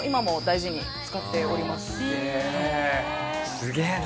すげえな！